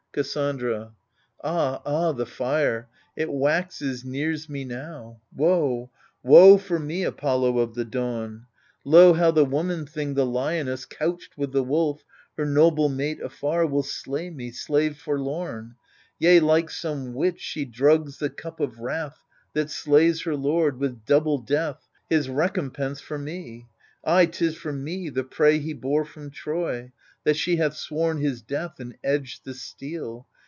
Cassandra Ah ah the fire ! it waxes, nears me now — Woe, woe for me, Apollo of the dawn ! Lo, how the woman thing, the lioness Couched with the wolf — her noble mate afar — Will slay me, slave forlorn ! Yea, like some witch, She drugs the cup of wrath, that slays her lord, With double death — his recompense for me ! Ay, 'tis for me, the prey he bore from Troy, That she hath sworn his death, and edged the steel